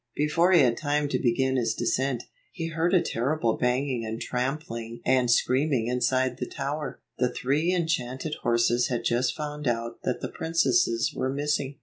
Before he had time to begin his descent, he heard a terrible banging and trampling and screaming inside the tower. The three enchanted horses had just found out that the princesses were missing.